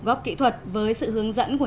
góc kỹ thuật với sự hướng dẫn của